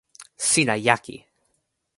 sina jaki!